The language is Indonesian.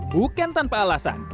bukan tanpa alasan